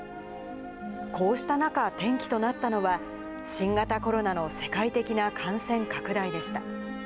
こうした中、転機となったのは、新型コロナの世界的な感染拡大でした。